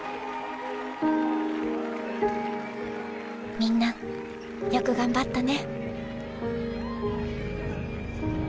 みんなよく頑張ったね！